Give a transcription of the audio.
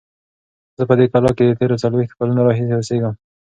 زه په دې کلا کې د تېرو څلوېښتو کلونو راهیسې اوسیږم.